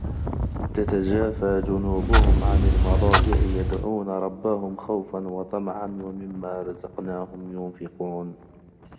تَتَجافى جُنوبُهُم عَنِ المَضاجِعِ يَدعونَ رَبَّهُم خَوفًا وَطَمَعًا وَمِمّا رَزَقناهُم يُنفِقونَ